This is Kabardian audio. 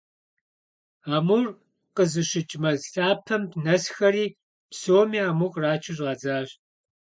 Амур къызыщыкӀ мэз лъапэм нэсхэри, псоми аму кърачу щӀадзащ.